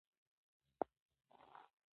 ملالۍ چې خوب یې لیدلی وو، پیغله وه.